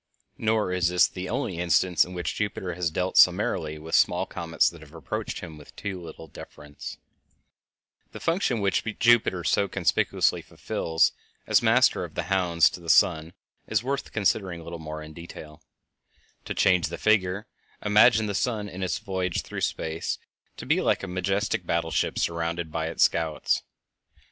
Nor is this the only instance in which Jupiter has dealt summarily with small comets that have approached him with too little deference. [Illustration: Brooks' comet. Photographed by Barnard, October 21, 1893] The function which Jupiter so conspicuously fulfills as master of the hounds to the sun is worth considering a little more in detail. To change the figure, imagine the sun in its voyage through space to be like a majestic battleship surrounded by its scouts.